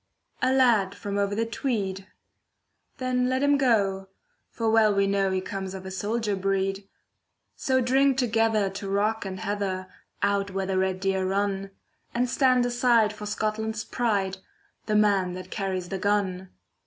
A lad from over the Tweed. Then let him go, for well we know He comes of a soldier breed. So drink together to rock and heather, Out where the red deer run, And stand aside for Scotland's pride— The man that carries the gun!